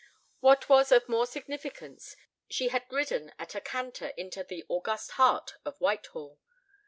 What was of more significance, she had ridden at a canter into the august heart of Whitehall.